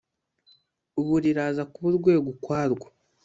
ubu riraza kuba urwego ukwarwo